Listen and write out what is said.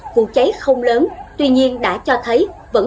vụ cháy không lớn tuy nhiên đã cho thấy